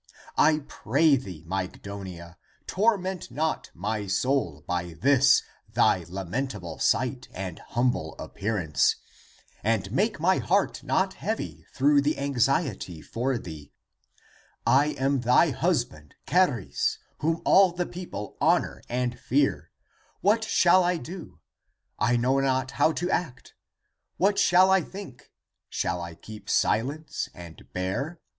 I pray thee, Mygdonia, torment not my soul by this thy lamentable sight and humble appearance, and make my heart not heavy through the anxiety for thee. I am thy husband Charis, whom all the people honor and fear. What shall I do? I know not how to act. What shall I think? Shall I keep silence and bear